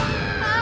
あ！